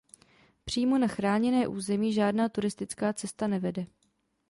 Přímo na chráněné území žádná turistická cesta nevede.